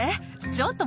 ちょっと。